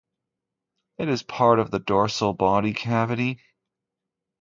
It is part of the dorsal body cavity.